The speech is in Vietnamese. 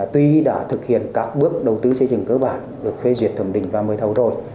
tuy đã thực hiện các bước đầu tư xây dựng cơ bản được phê duyệt thẩm định và mời thấu rồi